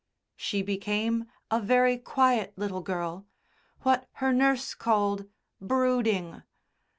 She became a very quiet little girl what her nurse called "brooding."